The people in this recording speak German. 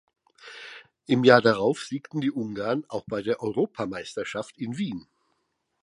Im Jahr darauf siegten die Ungarn auch bei der Europameisterschaft in Wien.